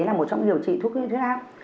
là một trong những điều trị thuốc huyết áp